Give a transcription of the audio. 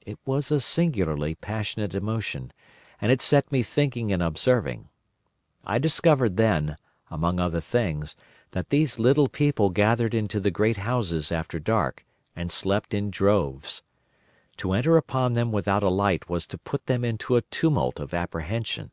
It was a singularly passionate emotion, and it set me thinking and observing. I discovered then, among other things, that these little people gathered into the great houses after dark, and slept in droves. To enter upon them without a light was to put them into a tumult of apprehension.